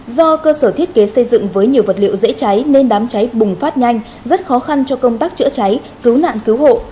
do cơ sở thiết kế xây dựng với nhiều vật liệu dễ cháy nên đám cháy bùng phát nhanh rất khó khăn cho công tác chữa cháy cứu nạn cứu hộ